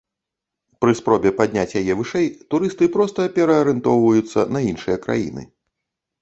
Пры спробе падняць яе вышэй, турысты проста пераарыентоўваюцца на іншыя краіны.